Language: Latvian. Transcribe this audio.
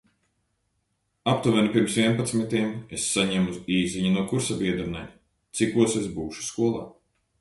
Aptuveni pirms vienpadsmitiem es saņemu īsziņu no kursabiedrenēm – cikos es būšu skolā.